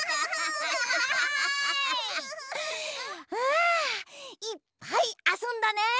あいっぱいあそんだね！